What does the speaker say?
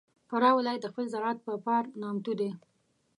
فراه ولایت د خپل زراعت په پار نامتو دی.